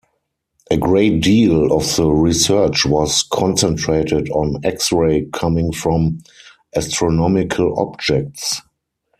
A great deal of the research was concentrated on X-ray coming from astronomical objects.